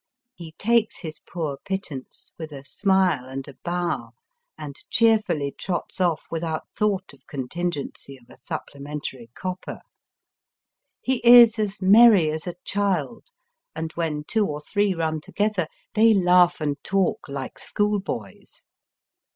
He takes his poor pittance with a smile and a bow, and cheerfully trots off without thought of contingency of a supplementary copper. He is as merry as a child, and when two or three run together they laugh and talk like schoolboys.